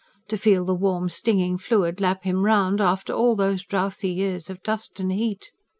To feel the warm, stinging fluid lap him round, after all these drewthy years of dust and heat!